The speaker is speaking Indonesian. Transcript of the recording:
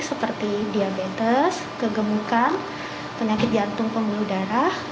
seperti diabetes kegemukan penyakit jantung pembuluh darah